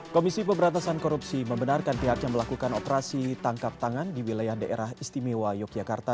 komisi pemberantasan korupsi membenarkan pihaknya melakukan operasi tangkap tangan di wilayah daerah istimewa yogyakarta